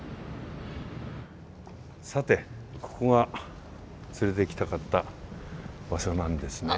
さてここが連れてきたかった場所なんですね。